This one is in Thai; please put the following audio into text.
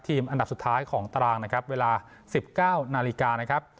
อันดับสุดท้ายของตารางนะครับเวลา๑๙นาฬิกานะครับ